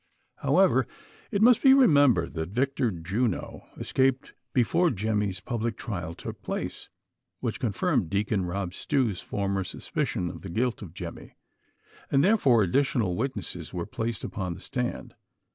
However, it must be remembered, that Victor Juno escaped before Jemmy's public trial took place, which con firmed Deacon Rob Stew's foriBer suspicion of the guilt of Jemmy, and therefore additional witnesses were placed upon the stand.